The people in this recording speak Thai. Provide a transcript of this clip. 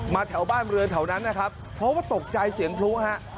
แถวบ้านเรือนแถวนั้นนะครับเพราะว่าตกใจเสียงพลุฮะ